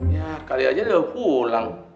ya kali aja udah pulang